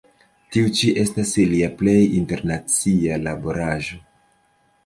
Tiu ĉi estas lia plej internacia laboraĵo.